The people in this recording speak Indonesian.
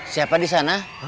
siapa di sana